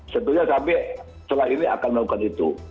tentunya kami setelah ini akan melakukan itu